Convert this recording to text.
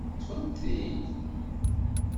Teṭṭfem-t-id?